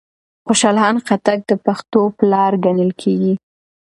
خوشحال خان خټک د پښتو پلار ګڼل کېږي